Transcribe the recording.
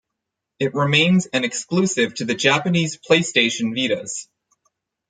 It remains an exclusive to the Japanese PlayStation Vitas.